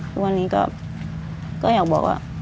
ทุกวันนี้ก็อยากบอกว่า